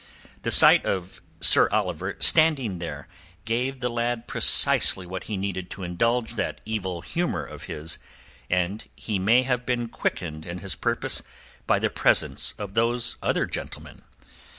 The sight of Sir Oliver standing there gave the lad precisely what he needed to indulge that evil humour of his, and he may have been quickened in his purpose by the presence of those other gentlemen.